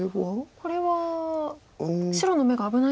これは白の眼が危ないわけでは。